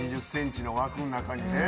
２０ｃｍの枠の中にね。